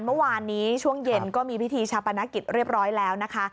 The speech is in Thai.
เมื่อวานนี้ช่วงเย็นก็มีพิธีชาปนกิจเรียบร้อยแล้วนะคะ